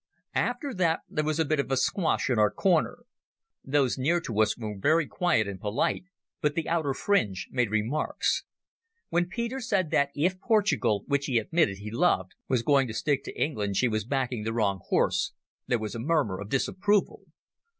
After that there was a bit of a squash in our corner. Those near to us were very quiet and polite, but the outer fringe made remarks. When Peter said that if Portugal, which he admitted he loved, was going to stick to England she was backing the wrong horse, there was a murmur of disapproval.